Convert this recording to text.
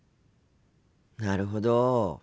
なるほど。